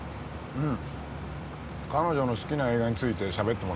うん。